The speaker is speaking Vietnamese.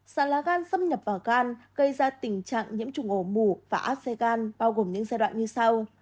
sàn lá gan xâm nhập vào gan gây ra tình trạng nhiễm trùng ổ mù và áp xe gan bao gồm những giai đoạn như sau